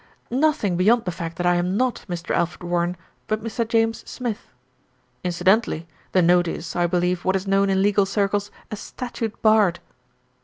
"Nothing beyond the fact that I am not Mr. Alfred Warren; but Mr. James Smith. Incidentally the note is, I believe, what is known in legal circles as statute barred."